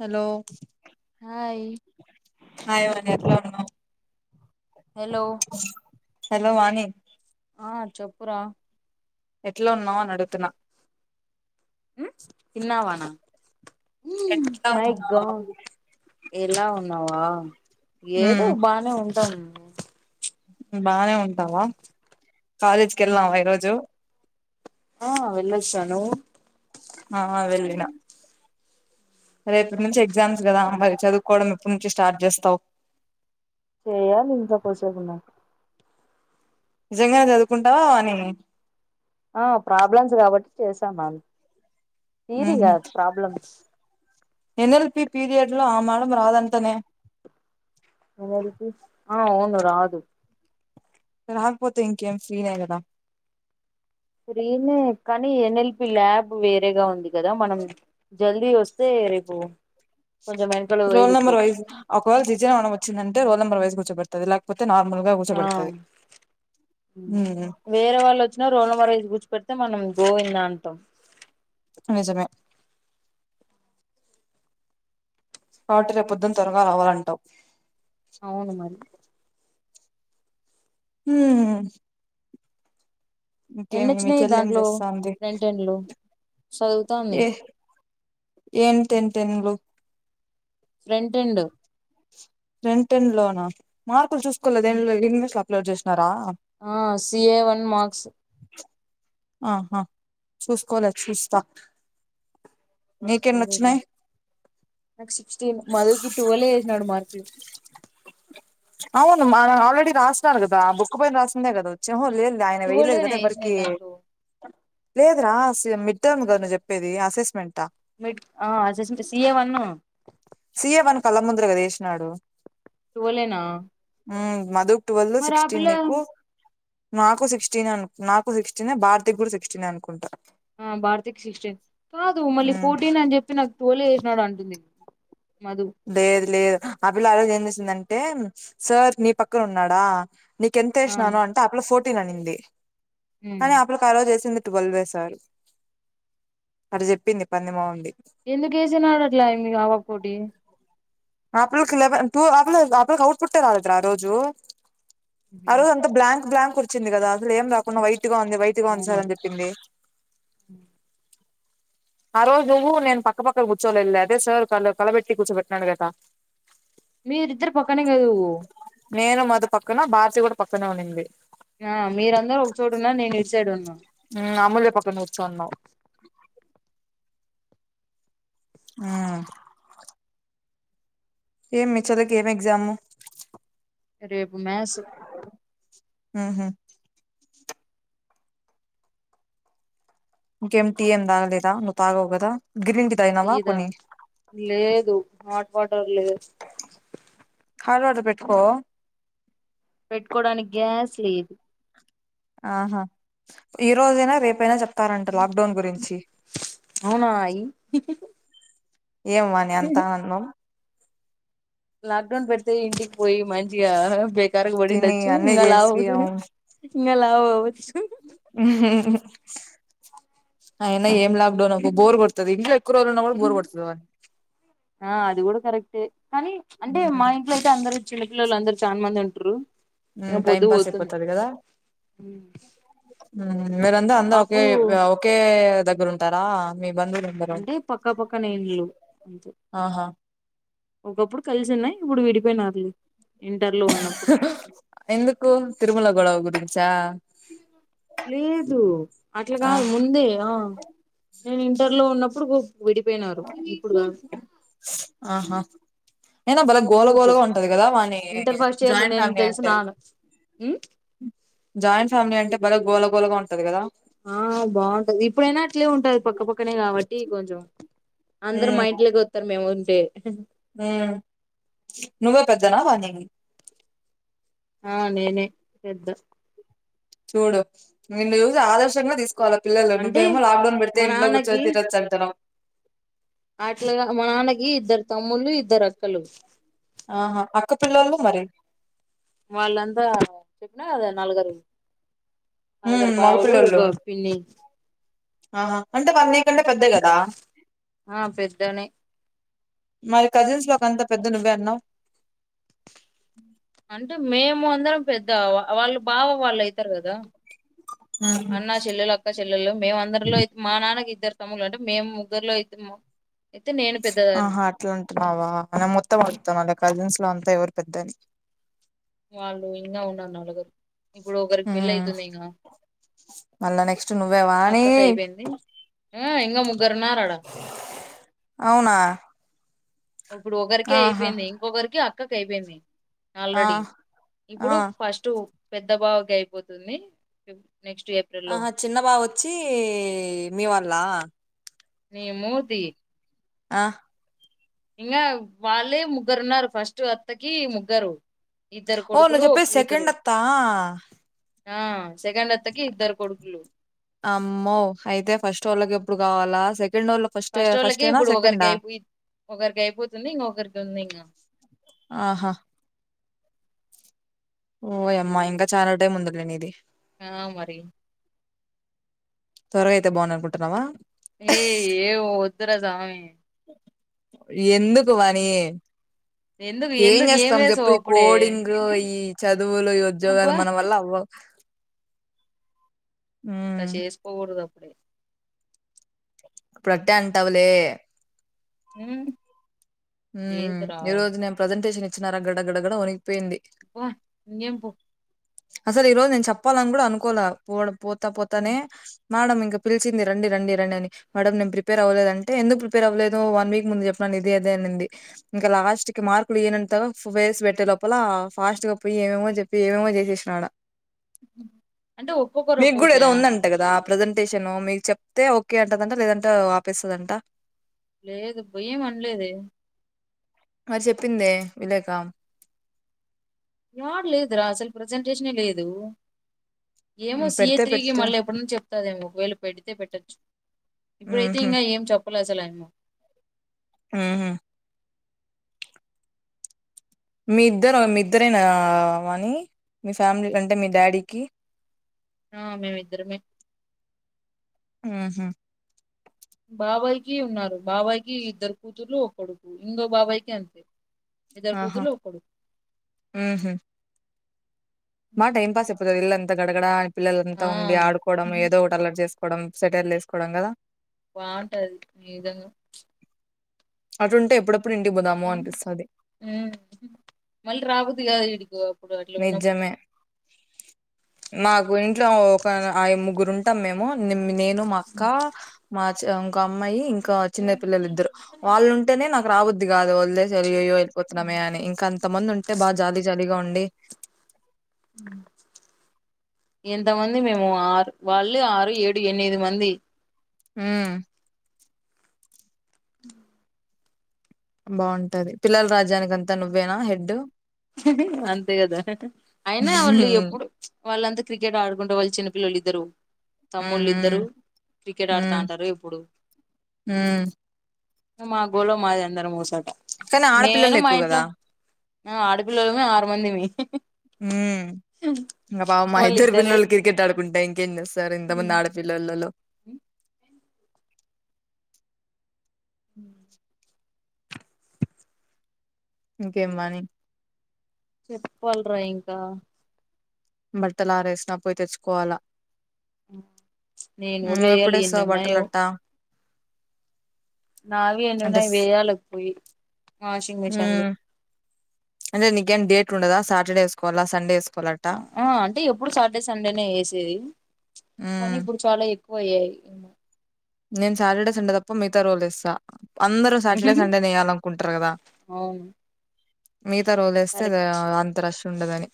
Hello hi hi [inaudible] ఎట్లా ఉన్నావ్ hello hello వాని ఆ చెప్పురా ఎట్లా ఉన్నావాో నడుగుతునా చిన్నావానా ఎట్లా ఉన్నావు ఎలా ఉన్నావా ఏదో ఉమ్ బానే ఉంటాం బానే ఉంటావా కాలేజ్కి వెళ్ళావా ఈరోజు ఆ వెళ్ళిఅచ్చిన నువ్వు ఆ అ వెళ్లినా రేపటి నుంచి ఎగ్జామ్స్ కదా మరి చదువుకోవడం ఇప్పటి నుంచి స్టార్ట్ చేస్తావు చేయాలి ఇంకా కూర్చొనివున్న నిజంగానే చదువుకుంటావా అని ఆ ప్రాబ్లమ్స్ కాబట్టి చేసాం అం తీరియ్య ఉహు ప్రాబ్లమ్స్ ఎన్ఎల్పి పీరియడ్ లో ఆ మేడం రాదంటనే ఎవరకి ఆ అవును రాదు రాకపోతే ఇంకేం ఫ్రీ ఏ కదా పెరుగన్నం కానీ ఎన్ఎల్పి ల్యాబ్ వేరేగా ఉంది కదా మనం జల్దీ వస్తు వస్తే ఏరపో రోల్ నెంబర్ వైస్ ఒకవేళ జిజ మనం వచ్చిందంటే రోల్ నెంబర్ వైస్ గా కూర్చబెడతది లేకపోతే నార్మల్ గా ఆ కూర్చోబెడుతది ఉమ్ వేరే వాళ్ళు వచ్చినా రోల్నంబర్ వేస్ కూర్చో పెడితే మనం గోవిందాంతం నిజమే కాబట్టి రేపోదునా త్వరగా రావాలంటావు అవును మరి హ ఎన్ని ఇంకేమి మీ వచ్చినాయి చెల్లెం దాంట్లో చేస్తాంది ఫ్రంట్ ఎండ్ లో చదువుతాంది ఎ ఏంతింటుంది ఫ్రెంట్ ఉంది రెంటెన్ లోనా మార్కులు చూసుకోలేదేంలో యూనివర్స్ లో అప్లడ్ చేసినారా ఆ సిఏ వన్ మార్క్స్ ఆహా చూసుకోలే చూస్తా నీకెన్ని సరేరా వచ్చినాయి నాకు సిక్సటీన్ మధుకి ట్వెల్వ్ వెసినాడు మార్కు అవును మ ఆల్రెడీ రాసినన్నారు కదా ఆ బుక్ పయిన రాసిందే కదా వచ్చ వె ఆయన వెయలేదు టువెలేనా కదా వేసినాయి ఎవ్వరికి దాంట్లో లేదురా మిడ్ టర్మ్ గదా నేను్ చెప్పేది అసెస్మెంటా మిడ్ అసెస్మెంటా సిఏ వన్ సీఏ వన్ కళ్ళ ముందరగా వెసినాడు ట్వెల్వ్ నా మధుక్ ట్వెల్ సిక్సటీన్ నీకు నాకు సిక్సటీన్ నాకు సిక్సటీన్ భారతీకి కూడా సిక్సటీన్ అనుకుంటా ఆ భారతీక్ సిక్సటీన్ కాదు మళ్ళ హ్మ్ ఫోర్టీన్ అని చెప్పి నాకు తోలి చేసినాడు అంటుంది మధు లేదు లేదు ఆ పిల్ల ఆ రోజు ఏం చేసిందంటే సార్ నీ పక్కన ఉన్నాడా నీక ఎంత ఆ వేసినాను అంటే ఆపిల ఫోర్టీన్ అనింది కానీ ఆపిలకి ఆ రోజు వేసింది టువెల్వ్ వేశారు అటు చెప్పింది పందిమోగుంది ఎందుకుసిన ఆడట్లా మీ ఆవకోటి ఆప్పులకి లెవెన్ ఆప్పు ఆప్పుకి అవుట్ పట్టే రాలదురా ఆ రోజు ఆరోజు అంత బ్లాంక్ బ్లాంక్ కుర్చింది కదా అందులో ఏం రాకుండా వైట్గా ఉంది వైట్గా ఉంది అవునా సార్ని చెప్పింది ఆ రోజు నువ్వు నేను పక్కపక్కకు కూర్చోలే వెళ్ళదు అదే సార్ క కలబెట్టి కూర్చోబెట్నాడు కదా మీరిద్దరు పక్కనే కదు నేను మధు పక్కన భారతీ కూడా పక్కనే ఉన్నింది ఆ మీరందరు ఒక చోట ఉన్న నేను ఇటు సైడ్ ఉన్నా అమూల్య పక్కన కుర్చున్నావ్ ఆ ఏం మీ చెల్లికి ఏం ఎగ్జాము రేపు మ్యాథ్స్ అవునా ఇంకేం టీ ఏం తాగలేద నువ్వు తగవుకదా టీదా లేదు హాట్ వాటర్ లేదు హట్ వాటర్ పెట్టుకో పెట్టుకోవడానికి గ్యాస్ లేదు ఆహా ఈ రోజు అయిన రేపైనా చెప్ప ఇత్తారంటా లాక్డౌన్ గురించి అవునా అయి ఏం వాని అంతా ఆనందం లాక్ డౌన్ పెడితే ఇంటికి పోయి మంచిగా బ కరకు బడి తిని ఉండచ్చు అన్నీ ఇంకా లావు చేసి అవును ఇంకా లావు అవ్వు అవునా ఏం లాక్డౌన్ ఆ అది కూడా కరెక్ట్ కానీ అంటే మా ఇంట్లో అయితే అందరు చిన్నపిల్లల్లు లందరు చాలా మంది ఉంటారు ఉమ్ ఆ టైం పొద్దు పాస్ పోతుంది అయిపోతది మీరంత అందరు ఒకే అప్పుడు ఒకే దగ్గర ఉంటారా మీ బంధువులు అందరూ అంటే పక్క పక్క నీళ్ళు అంతే ఆహా ఒకప్పుడు కలిసి ఉన్నాయి ఇప్పుడు విడిపోయినార్లే ఎందుకు తిరుమల గోడవ గురించా లేదు అట్లా కాదు ఆ ముందే ఆ నేను ఇంటర్లో ఉన్నప్పుడు గుప్ విడిపోయినారు ఇప్పుడు కాదు ఆహా అయినా భలే నీ గోల మూతి గోలగా ఉంటది కదా వాని ఇంటర్ ఫస్ట్ ఇయర్ లో జాయింట్ నేను ఫ్యామిలీ అంటే తెలిసినాను జాయింట్ ఫ్యామిలీ అంటే భలే గోలగోళగా ఉంటాది కదా ఆ బాగుంటది ఇప్పుడైనా అట్లే ఉంటది పక్కపక్కనే కాబట్టి కొంచెం అందరు మా ఇంట్లోకే వత్తారు మేము [unintelligible] మ్మ్ నువ్వే పెద్దనా వానింగ [unintelligible] ఆ నినే పెద్ద చూడు నిన్ను చూసి ఆదర్శంగా తీసుకు అక్క వాళ్ళ పిల్లలు అంటే నువ్వేమో లాక్డౌన్ మా పెడితే ఇంట్లో కూర్చొని తినోచ్చు అంటన్నావ్ అట్లాగా మా నాన్నకి ఇద్దరు తమ్ముళ్లు ఇద్దరు అక్కలు ఆహా అక్కపిల్లలు మరి వాళ్ళంతా చెప్పినా గాద నలగరు మ్మ్ మగపిల్లోళ్ళు అంటే వాళ్లు నీకంటే కంటే పెద్దే కదా ఆ పెద్దనే మరి కజిన్స్ లోకంత పెద్ద నువ్వే అన్నావు అంటే మేము అందరం పెద్ద. వాళ్ళు బావవ్ వాళ్ళు అయితారు కదా అన్న చెల్లెలు అక్క చెల్లెలు మేము అందరిలో అయితే మా నాన్నకి ఇద్దరు తమ్ములు అంటే మేము ముగ్గురిలో ఇద్దరము ఆహా అట్లా ఉంటన్నావా నిన్ మొత్తం అడుగుతన్నలే కజిన్స్ మిలో అంతా ఎవరు పెద్దని వాళ్ళు ఇంకా ఉన్నారు నలుగురు ఇప్పుడు ఒకరికి హ్మ్ పెళ్ళయితుంది ఇగా మళ్ళా నెక్స్ట్ నువ్వే వాణి అక్కకి అయిపోయింది ఆ ఇంకా ముగ్గురు ఉన్నారాడ అవునా ఇప్పుడు ఒకరికే ఆహా అయిపోయింది ఇంకొకరికి అక్కకి అయిపోయింది ఆ ఆల్రెడీ ఆ ఇప్పుడు ఫస్ట్ పెద్ద బావకి అయిపోతుంది. ఆహా చిన్న బావ వచ్చి మీ వాళ్ళ నీ మూతి ఆ ఇంకా వాళ్ళే ముగ్గురు ఉన్నారు ఫస్ట్ అత్తకి ముగ్గరు ఇద్దరు కొడుకులు నువ్వు ఓ చెప్పేది కూతురు. సెకండ్ అత్తా ఆ సెకండ్ అత్తకి ఇద్దరు కొడుకులు అమ్మో అయితే ఫస్ట్ వొళ్ళకి ఎప్పుడు కావాలా సెకె ఫస్ట్ వోళ్ళకి ఇప్పుడు ఒకరికి అయిపోయిద్ది ఒకరికి అయిపోతుంది ఇంకొకరికి ఉంది ఇంగ ఆహా ఓయామ్మా ఇంకా చాలా టైమ్ ఉందిలే నీది ఆ మరి త్వరగా అయితే బావుండు అనుకుంటున్నావా ఏ ఏ వో వద్దురా సామి ఎందుకు వాని ఎందుక్ ఏం చేస్తాం చెప్పు ఈ కోడింగ్ ఈ చదువులు ఈ ఉద్యోగాలు అబ్బా మనం వల్ల అవ్వవ్ అట్టా చేసుకో గోడ్ ద్ గ ఇపుడ్ అట్టే అంటావులే హ్మ్ ఉమ్ ఈరోజు నేన్ ప్రసెంటేషన్ ఇచ్చినారా గడ గడ గడ వనీ వా ఇంగెం పో అసలు ఈ రోజు నేను చెప్పాలని కూడా అనుకోలే వొడ్ పోతా పోతానే ఉమ్, మ్యడం ఇంకా పిలిచింది రండి రండి రండి అని మ్యడమ్ నేన్ ప్రిపేర్ అవలేదు అంటే ఎందుకు ప్రిపేర్ అవ్వలేదు వన్ వీక్ ముందు చెప్పండి ఇది అద్ అంతే అనింది ఇంకా లాస్ట్ కి మార్కులు ఇయనంతగ ఫ్ ఫేస్ పెట్టే లోపల ఫాస్ట్ గా పోయి ఏమేమో చెప్ ఏంవేవో జెశేషినా అడా అంటే ఒక్కొక్కరు మీక్ కూడా ఒక్కొక్కటే ఏదో ఉందంట కదా ప్రజెంటేషను మీక్ చెప్తే ఓకే అంటదంట లేదంటా ఆపేస్తదంట లేదు పోయెమ్ అన్ లేదే హర్ సేప్పిందే ఇలేక రాట్లేదు రా అసలు ప్రజెంటేషనే లేదు ఏమో హ్మ్. సీఏ పెడితే త్రీకి పెడితే మళ్ళీ ఎప్ న్ చెప్తాదేమో ఒకవేల్ పెడితే పెట్టొచ్చు ఇప్పుడైతే హుహు. ఇంగ ఏం చెప్పలే అసలే డెమో ఉహ్ మీద్దర్ మీద్దరేనా ఆ వాని మీ ఫ్యామ్ లీ అంటే మీ డాడీకి ఆ మేమ్ ఇద్దరమే ఆ హ బాబాయి కీ ఉన్నారు బాబాయి కి ఇద్దరు కూతుర్లు ఒక్ కొడుకు ఇంగో బాబాయి కీ అంతే ఇద్దర్ ఆహా కూతుర్లు ఒక్ కొడుకు మా టైం పాస్ యిపుద్ ఇల్లాంతా గడగడా ఆ పిల్లలంతా ఆ ఉండి ఆడుకోవడం ఏదో ఒకటి అల్లర్ చేసుకోడం సెటైర్లు ఏసుకోడం కదా బా ఉంటది నిజంగా చ్ అటుంటే ఎప్పుడో ఉమ్ మల్ రాబుద్ది గాదు ఇడికో ఉప్పుడు అట్ల ఉన్నమ్ నిజమే మాకు ఇంట్లో ఒక న ఐ ముగ్గురుంటాం మేము నిమ్ నేను మా అక్క మా చే అమ్ ఒక అమ్మాయి ఇంకా చిన్న పిల్లలు ఇద్దరు వాళ్ళు ఉంటేనే నాకు రాబుద్ది కాదు వల్ దెస్ యాలి ఇఇయియో వెళ్ళిపోతున్నామే అని ఇంకా అంత మంది ఉంటే బా జాలీ జాలీగా ఉం అ [inaudible] ఇంతమంది మేము ఆరు వాళ్ళే ఆరు ఏడు ఎన్ మిది మంది హ్మ్ [inaudible] బాఉటది పిల్లల రాజ్యానికి అంతా నువ్వేనా హెడు హే హే అంతే కదా అయినా వాళ్ళు హ్మ్ ఎప్పుడు వాళ్ళంతా క్రికెట్ ఆడుకుంటు వాళ్ చిన్నపిల్లలు ఇద్దరు హ్మ్ తమ్ముళ్ళిద్దరు క్రికెట్ హ్మ్ ఆడుతంటారు ఇప్పుడు హ్మ్ మా గోళ మాదే అందరం మోసోట కానీ మేను ఆడపిల్లలు మా ఎక్కువ ఇంట్లో కదా ఆ ఆడపిల్లలమే ఆరు మందిమి ఉమ్ ఇంకా పామ్ ఆ ఇద్దరు వాళ్ళిద్దరే పిల్లలు కిర్ కెట్ ఆడుకుంటే ఇంకేం చేస్ సరిన్ ఇంతమంది ఆడపిల్లల్లాల లో హ [inaudible] ఇంకేమ్ వాని చెప్పాలరా ఇంకా బట్టలారేసినా పోయి తెచ్చుకోవాలా నేను కూడా వేయాలి ఎప్పుడే అసావు ఎన్నిన్నాయో బట్టలట్టా నావి అంటే ఎన్నన్నా స్ వేయాల పోయి వాషింగ్ మిషిన్ లో అంటేకేం డేట్ ఉండద సాటర్డే వేసుకోలా సండేసుకోల ఆ అంటే ఎప్పుడు సాటర్డే సండేనే వేసేది కానీ హ్మ్ ఇప్పుడు చాలా ఎ పోయే నేను సాటర్డే సండే తప్ప మిగతా రోజులు లేస్సా అందరు సాటడే సండే నే ఎయ్యాలనుకుంటారు కదా అవును మిగతా రోజు లేేస్తే కరెక్ట్ అంత రష్ ఉండదని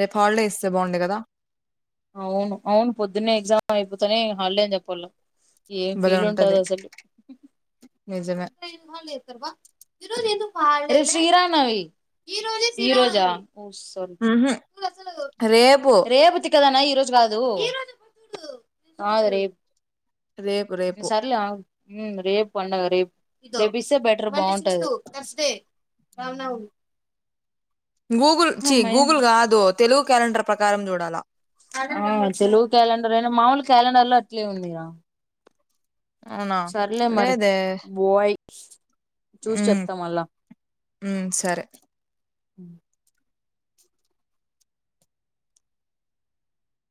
రేపు హాల్డ ఇస్తే బాగుండే కదా అవును అవును పొద్దున్నే ఎగ్జామ్ అయిపోతనే హాలిడే ని చెప్పాల ఏం ఫీల్ ఉంటది అసలు నిజమే ఇన్వాల్వ్ చేస్తావా రేపు శ్రీరామనవమి ఈ రోజా ఉహు రేపు రేపు దానా ఈ రోజు కాదు కాదు రేపు రేపు రేపు రేపు పండుగ రేపు ఇ తేపిస్తే బెటర్ బాగుంటది గూగుల్ చీ హమ్మయ్య గూగుల్ కాదో తెలుగు క్యాలెండర్ ప్రకారం చూడాలా ఆ తెలుగు క్యాలెండర్ అనా మాముూలు క్యాలెండర్ లో అట్లే ఉందిగా అవునా సర్లే మరి లేదే బోయ్ ఉమ్ ఉం సరే అ